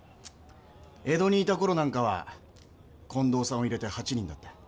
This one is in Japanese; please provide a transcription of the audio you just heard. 江戸にいた頃なんかは近藤さんを入れて８人だった。